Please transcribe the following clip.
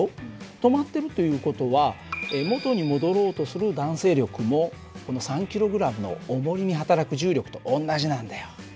止まってるという事は元に戻ろうとする弾性力もこの３ｋｇのおもりにはたらく重力と同じなんだよ。